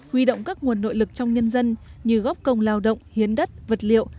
huy động các nguồn nội lực trong nhân dân như góp công lao động hiến đất vật liệu